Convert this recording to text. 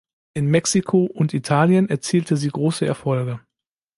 In Mexiko und Italien erzielte sie große Erfolge.